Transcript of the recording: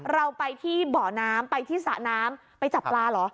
เราไปที่เบาะน้ำไปที่สระน้ำไปจับปลาเหรอ